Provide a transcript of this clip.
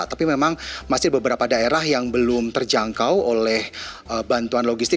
tapi memang masih beberapa daerah yang belum terjangkau oleh bantuan logistik